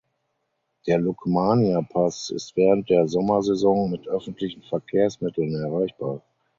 Der Lukmanierpass ist während der Sommersaison mit öffentlichen Verkehrsmitteln erreichbar.